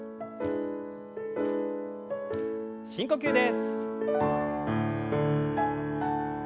深呼吸です。